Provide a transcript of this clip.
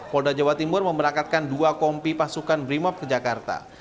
polda jawa timur memberangkatkan dua kompi pasukan brimop ke jakarta